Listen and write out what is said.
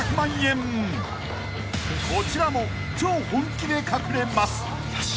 ［こちらも超本気で隠れます］